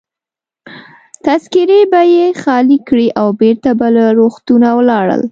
تذکیرې به يې خالي کړې او بیرته به له روغتونه ولاړل.